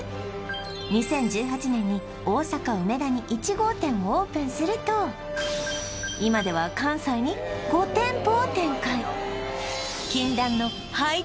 ２０１８年に大阪梅田に１号店をオープンすると今では関西に５店舗を展開